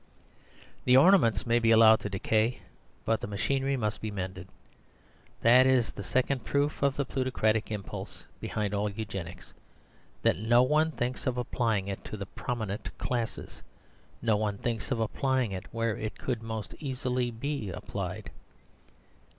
The ornaments may be allowed to decay, but the machinery must be mended. That is the second proof of the plutocratic impulse behind all Eugenics: that no one thinks of applying it to the prominent classes. No one thinks of applying it where it could most easily be applied.